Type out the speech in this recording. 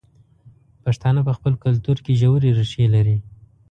پښتانه په خپل کلتور کې ژورې ریښې لري.